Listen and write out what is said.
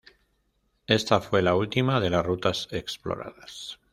Esta fue la última de las rutas exploradas.